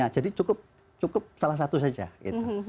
jadi cukup salah satu saja gitu